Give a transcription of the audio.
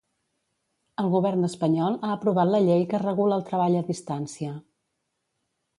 El Govern espanyol ha aprovat la llei que regula el treball a distància.